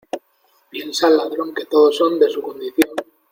Piensa el ladrón que todos son de su condición.